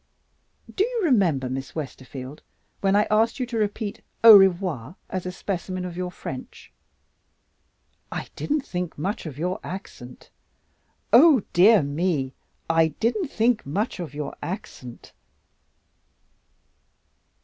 _ Do you remember, Miss Westerfield, when I asked you to repeat au revoir as a specimen of your French? I didn't think much of your accent. Oh, dear me, I didn't think much of your accent!"